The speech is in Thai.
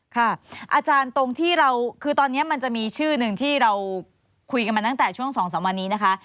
อาจารย์ตรงที่เราคือตอนนี้มันจะมีชื่อหนึ่งที่เราคุยกันมาตั้งแต่ช่วง๒๓วันนี้นะคะ